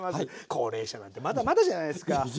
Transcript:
高齢者なんてまだまだじゃないですか。